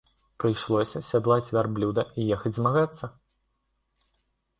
Прыйшлося сядлаць вярблюда і ехаць змагацца.